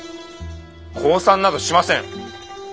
降参などしません！